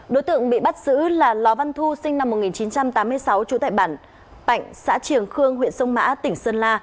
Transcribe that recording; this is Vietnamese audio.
đối tượng bị bắt giữ là lò văn thu sinh năm một nghìn chín trăm tám mươi sáu trú tại bản tạnh xã triềng khương huyện sông mã tỉnh sơn la